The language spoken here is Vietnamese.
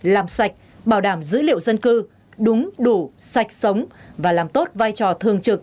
làm sạch bảo đảm dữ liệu dân cư đúng đủ sạch sống và làm tốt vai trò thường trực